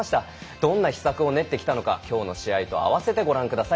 どんな秘策を練ってきたのかきょうの試合とあわせてご覧ください。